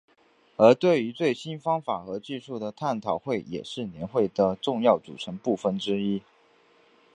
而对于最新方法和技术的讨论会也是年会的重要组成部分之一。